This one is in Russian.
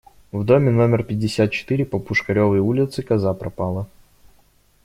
В доме номер пятьдесят четыре по Пушкаревой улице коза пропала.